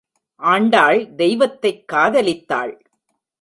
ஆண்டாள் தெய்வத்தைக் காதலித்தாள்.